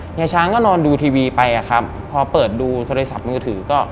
ยายช้างก็นอนดูทีวีไปอะครับพอเปิดดูโทรศัพท์มือถือก็